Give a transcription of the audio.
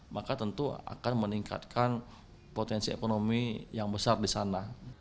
maka tentu akan meningkatkan potensi ekonomi yang besar di sana